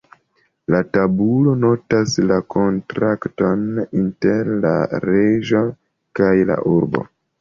La tabulo notas la kontrakton inter "la reĝo kaj la urbo".